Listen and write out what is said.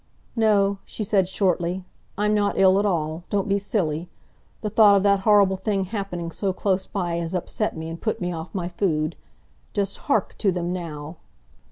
"No," she said shortly; "I'm not ill at all. Don't be silly! The thought of that horrible thing happening so close by has upset me, and put me off my food. Just hark to them now!"